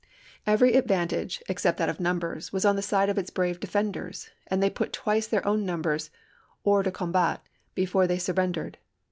Every 180 ABRAHAM LINCOLN chap. ix. advantage, except that of numbers, was on the side of its brave defenders, and they pnt twice their own numbers hors du combat before they surren dered.